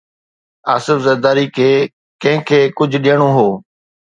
آصف زرداري کي ڪنهن کي ڪجهه ڏيڻو هو.